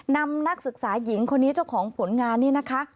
นักศึกษาหญิงคนนี้เจ้าของผลงานนี่นะคะ